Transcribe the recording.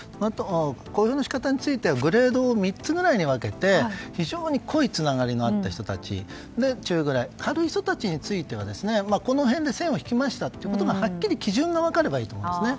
公表の仕方についてはグレードを３つぐらいに分けて非常に濃いつながりのあった人たち中ぐらい、軽い人たちについてはこの辺で線を引きましたという基準が分かればいいと思います。